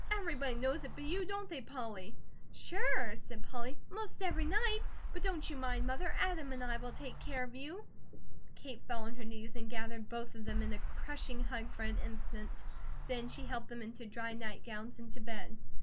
"Everybody knows it but you, don't they, Polly?" "Sure!" said Polly. "Most every night; but don't you mind, Mother, Adam and I will take care of you." Kate fell on her knees and gathered both of them in a crushing hug for an instant; then she helped them into to dry nightgowns and to bed.